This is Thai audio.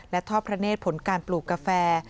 และทอดพระเนธผลการปลูกกาแฟ